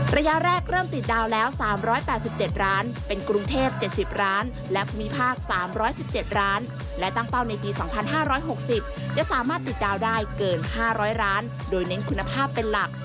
ระยะแรกเริ่มติดดาวน์แล้ว๓๘๗ร้านเป็นกรุงเทพ๗๐ร้านและภูมิภาค๓๑๗ร้านและตั้งเป้าในปี๒๕๖๐จะสามารถติดดาวได้เกิน๕๐๐ร้านโดยเน้นคุณภาพเป็นหลัก